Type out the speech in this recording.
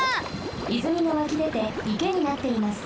いずみがわきでていけになっています。